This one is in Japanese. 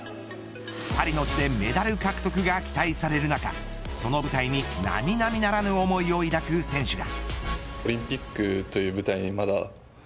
パリの地でメダル獲得が期待される中その舞台に並々ならぬ思いを抱く選手が。